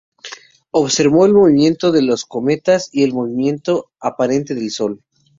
Observó el movimiento de los cometas y el movimiento aparente del Sol.